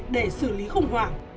để xử lý khủng hoảng